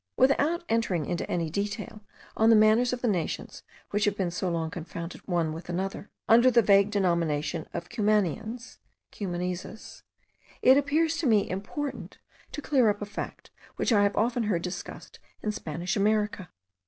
Without entering into any detail on the manners of the nations which have been so long confounded one with another, under the vague denomination of Cumanians (Cumaneses), it appears to me important to clear up a fact which I have often heard discussed in Spanish America.